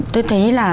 tôi thấy là